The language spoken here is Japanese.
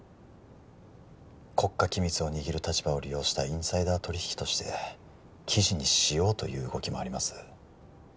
国家機密を握る立場を利用したインサイダー取引として記事にしようという動きもあります